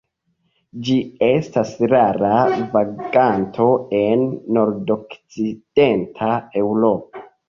Ĝi estas rara vaganto en nordokcidenta Eŭropo.